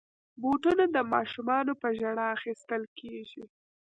بوټونه د ماشومانو په ژړا اخیستل کېږي.